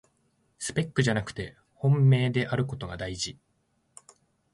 スペックじゃなくて本命であることがだいじ